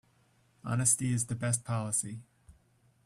Honesty is the best policy.